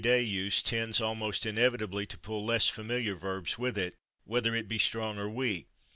A verb in everyday use tends almost inevitably to pull less familiar verbs with it, whether it be strong or weak.